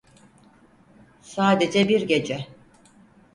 Sadece bir gece.